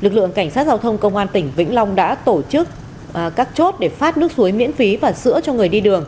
lực lượng cảnh sát giao thông công an tỉnh vĩnh long đã tổ chức các chốt để phát nước suối miễn phí và sữa cho người đi đường